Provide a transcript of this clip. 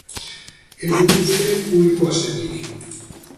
Ez dut uste publikoa zenik.